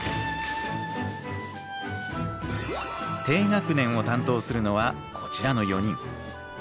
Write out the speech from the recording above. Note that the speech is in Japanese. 低学年を担当するのはこちらの４人。